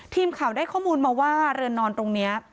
ทีมข่าวได้ข้อมูลมาว่าเรือนนอนตรงนี้